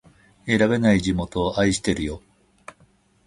選べない地元を愛してるよ